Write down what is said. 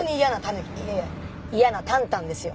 ぬきいえ嫌なタンタンですよ。